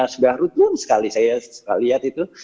sudah rutin sekali saya lihat itu